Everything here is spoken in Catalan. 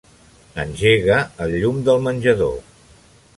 Engega el llum del menjador.